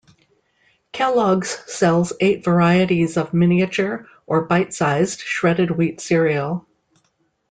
Kellogg's sells eight varieties of miniature, or bite-sized, shredded wheat cereal.